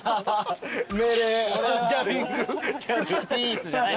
ピースじゃない。